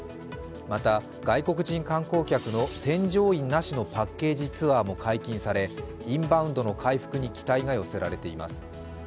また、外国人観光客の添乗員なしのパッケージツアーも解禁されインバウンドの回復に期待が寄せられています。